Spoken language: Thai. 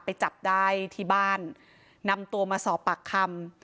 ไปจับได้ที่บ้านนำตัวมาสอบปากคำ